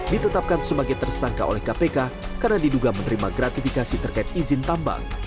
ditetapkan sebagai tersangka oleh kpk karena diduga menerima gratifikasi terkait izin tambang